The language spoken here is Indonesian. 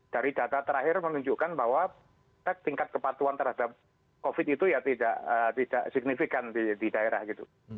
dari data terakhir menunjukkan bahwa tingkat kepatuan terhadap covid itu ya tidak signifikan di daerah gitu